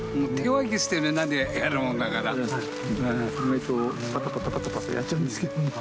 意外とパタパタパタパタやっちゃうんですけどね。